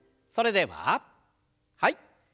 それでははい。